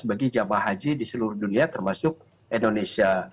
bagi jemaah haji di seluruh dunia termasuk indonesia